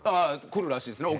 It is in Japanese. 来るらしいですね